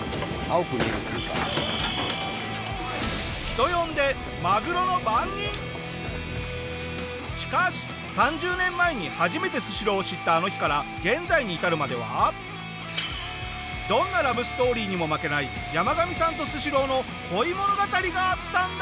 人呼んでしかし３０年前に初めてスシローを知ったあの日から現在に至るまではどんなラブストーリーにも負けないヤマガミさんとスシローの恋物語があったんだ！